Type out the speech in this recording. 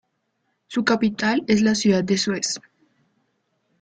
Su capital es la ciudad de Suez.